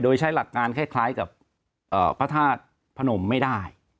โดยใช้หลักงานคล้ายกับพระธาตุพนมไม่ได้